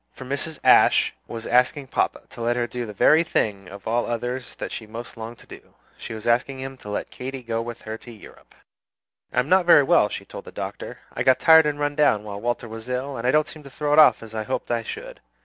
For Mrs. Ashe was asking papa to let her do the very thing of all others that she most longed to do; she was asking him to let Katy go with her to Europe! "I am not very well," she told the Doctor. "I got tired and run down while Walter was ill, and I don't seem to throw it off as I hoped I should.